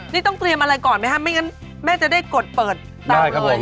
นี่ต้องเตรียมอะไรก่อนไหมครับไม่งั้นแม่จะได้กดเปิดตามเลย